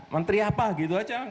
menteri apa gitu aja